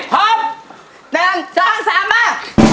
หนึ่งสองสามมา